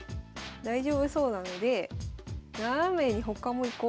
大丈夫そうなのでナナメに他も行こ。